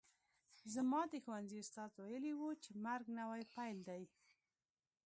زما د ښوونځي استاد ویلي وو چې مرګ نوی پیل دی